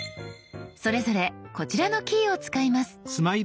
それぞれこちらのキーを使います。